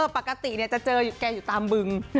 ปกติจะเจอแกอยู่ตามบึง